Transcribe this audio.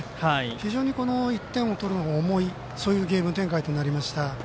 非常に１点を取るのが重いそういうゲーム展開となりました。